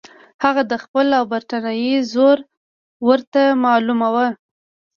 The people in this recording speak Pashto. هغه د خپل او برټانیې زور ورته معلوم وو.